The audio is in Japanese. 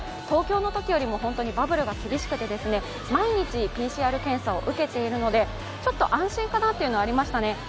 東京のときよりもバブルが厳しくて毎日ＰＣＲ検査を受けているので安心かなというのはありましたね。